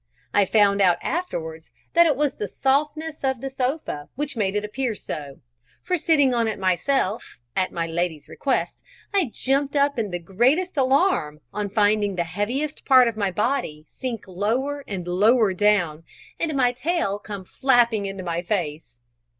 I found out afterwards that it was the softness of the sofa which made it appear so; for sitting on it myself, at my Lady's request, I jumped up in the greatest alarm, on finding the heaviest part of my body sink lower and lower down, and my tail come flapping into my face.